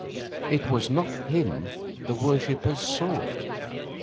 It was not him the worshippers sought.